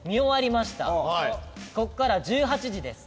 ここから１８時です。